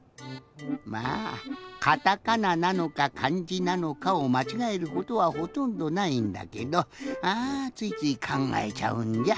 まあカタカナなのかかんじなのかをまちがえることはほとんどないんだけどあついついかんがえちゃうんじゃ。